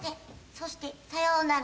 そしてさようなら。